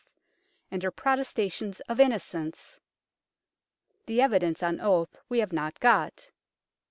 and her protestations of innocence. The evidence on oath we have not got.